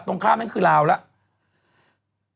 ตรงข้ามนั่นคือลาวแล้ว